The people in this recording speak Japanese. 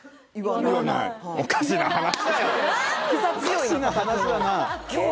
おかしな話だな